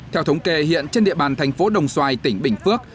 theo thống kê hiện trên địa bàn thành phố đồng xoài tỉnh bình phước